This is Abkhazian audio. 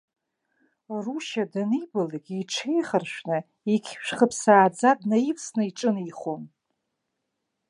Рушьа данибалак иҽеихаршәны, иқьышә хыԥсааӡа днаивсны иҿынеихон.